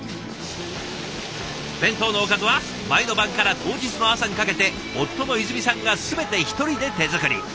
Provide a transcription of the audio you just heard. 弁当のおかずは前の晩から当日の朝にかけて夫の泉さんが全て一人で手作り。